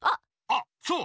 あっそう！